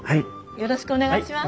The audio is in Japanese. よろしくお願いします。